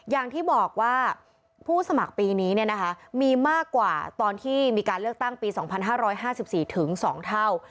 อย่างที่บอกว่าผู้สมัครปีนี้มีมากกว่าตอนที่มีการเลือกตั้งปี๒๕๕๔ถึง๒เท่า